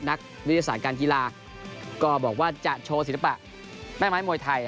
นักวิทยาศาสตร์การกีฬาก็บอกว่าจะโชว์ศิลปะแม่ไม้มวยไทย